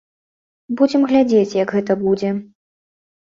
Будзем глядзець, як гэта будзе.